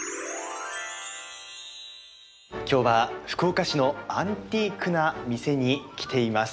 今日は福岡市のアンティークな店に来ています。